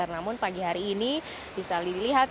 namun pagi hari ini bisa dilihat